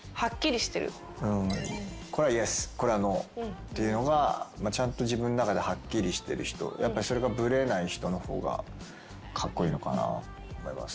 これはイエスこれはノーっていうのがちゃんと自分の中ではっきりしてる人それがブレない人の方がカッコイイのかな。